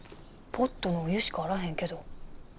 ポットのお湯しかあらへんけど飲む？